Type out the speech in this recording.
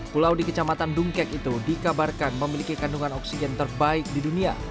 pulau di kecamatan dungkek itu dikabarkan memiliki kandungan oksigen terbaik di dunia